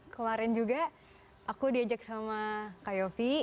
kemarin juga aku diajak sama kak yofi